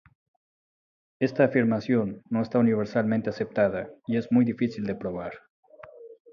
Esta afirmación no está universalmente aceptada y es muy difícil de probar.